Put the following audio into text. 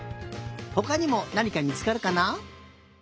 ほかにもなにかみつかるかな？